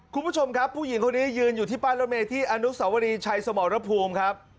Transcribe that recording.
คุณผู้ชมครับผู้หญิงคนนี้ยืนอยู่ที่ป้ายรถเมย์ที่อนุสาวรีชัยสมรภูมิครับ